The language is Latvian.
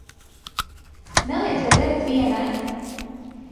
Nelieciet dzert vienai.